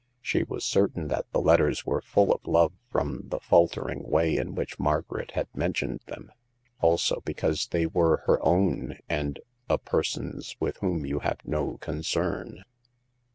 She was certain that the letters were full of love from the faltering way in which Margaret had mentioned them ; also because they were her own and " a person's with whom you have no concern."